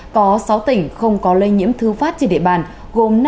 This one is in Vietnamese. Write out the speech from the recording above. có sáu tỉnh không có lây nhiễm thư phát trên địa bàn gồm